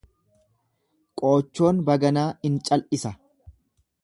Qoochoon baganaa in cal'isa.